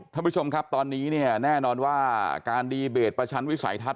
ท่านผู้ชมครับตอนนี้เนี่ยแน่นอนว่าการดีเบตประชันวิสัยทัศ